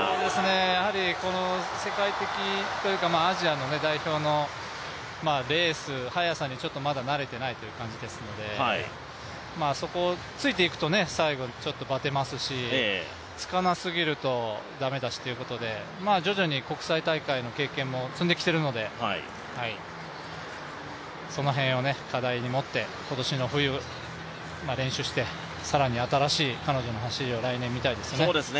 やはり世界的というかアジアの代表のレース速さにまだ慣れていないという感じですのでそこをついていくと最後、ちょっとバテますしつかなすぎると駄目だしってことで徐々に国際大会の経験も積んできているのでその辺を課題にもって今年の冬、練習して更に新しい彼女の走りを来年、見たいですね。